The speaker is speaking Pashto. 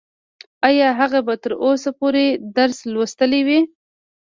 ايا هغه به تر اوسه پورې درس لوستلی وي؟